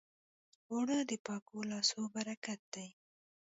اوړه د پاکو لاسو برکت دی